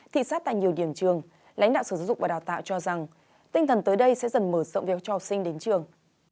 thị sát tại nhiều điểm trường lãnh đạo sở giáo dục và đào tạo cho rằng tinh thần tới đây sẽ dần mở rộng việc cho học sinh đến trường